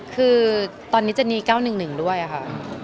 คือตอนนี้จะมี๙๑๑ด้วยค่ะ